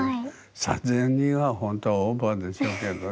３，０００人は本当はオーバーでしょうけどね。